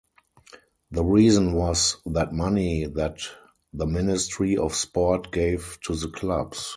The reason was that money that the Ministry of Sport gave to the clubs.